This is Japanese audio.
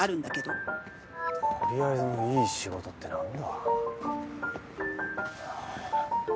とりあえずのいい仕事ってなんだ？